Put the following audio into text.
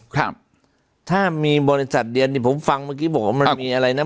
ครับถ้ามีบริษัทเดียวที่ผมฟังเมื่อกี้บอกว่ามันมีอะไรนะ